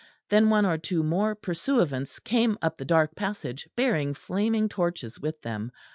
Then one or two more pursuivants came up the dark passage bearing flaming torches with them.